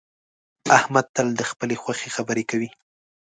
احمد تل د خپلې خوښې خبرې کوي